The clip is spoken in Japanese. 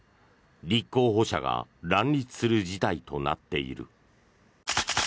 立候補者が乱立する事態となっている。